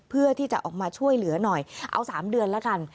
เพื่อที่จะออกมาช่วยเหลือหน่อยเอา๓เดือนแล้วกัน